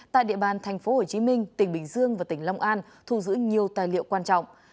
tại địa bàn tp hcm tỉnh bình dương và tỉnh long an thu giữ nhiều tài liệu quan trọng